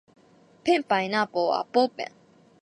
ペンパイナッポーアッポーペン